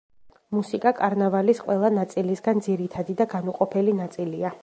მუსიკა კარნავალის ყველა ნაწილისგან ძირითადი და განუყოფელი ნაწილია.